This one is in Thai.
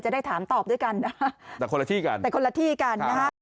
จะได้ถามตอบด้วยกันแต่คนละที่กัน